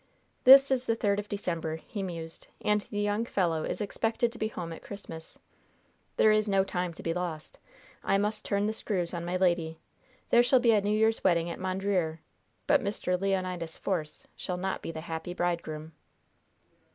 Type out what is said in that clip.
"This is the third of December," he mused, "and the young fellow is expected to be home at Christmas. There is no time to be lost. I must turn the screws on my lady. There shall be a New Year's wedding at Mondreer, but Mr. Leonidas Force shall not be the happy bridegroom."